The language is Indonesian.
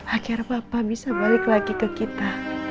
akhirnya papa bisa balik lagi ke kita